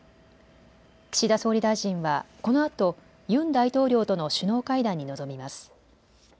岸田総理大臣はこのあとユン大統領との首脳会談に臨みます。